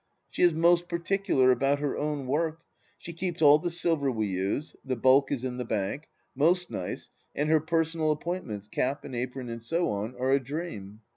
She is most particular about her own work ; she keeps all the silver we use — the bulk is in the bank — ^most nice, and her per sonal appointments, cap and apron and so on, are a dream.